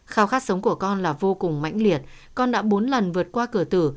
khao khát sống của con là vô cùng mãnh liệt con đã bốn lần vượt qua cửa tử